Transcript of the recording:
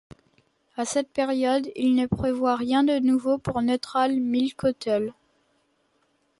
À cette période, il ne prévoit rien de nouveau pour Neutral Milk Hotel.